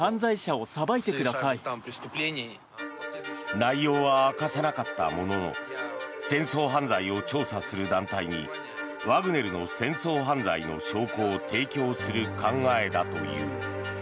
内容は明かさなかったものの戦争犯罪を調査する団体にワグネルの戦争犯罪の証拠を提供する考えだという。